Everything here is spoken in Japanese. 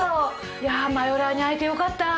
いやマヨラーに会えてよかった。